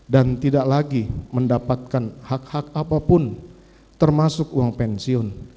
dan tidak lagi mendapatkan hak hak apapun termasuk uang pensiun